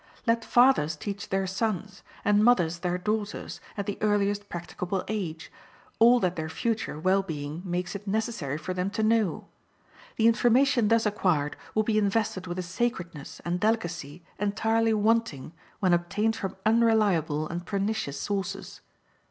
Let fathers teach their sons, and mothers their daughters, at the earliest practicable age, all that their future well being makes it necessary for them to know. The information thus acquired will be invested with a sacredness and delicacy entirely wanting when obtained from unreliable and pernicious sources.